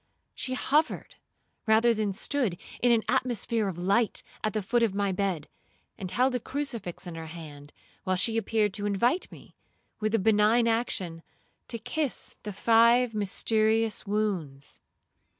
She hovered, rather than stood, in an atmosphere of light at the foot of my bed, and held a crucifix in her hand, while she appeared to invite me, with a benign action, to kiss the five mysterious wounds.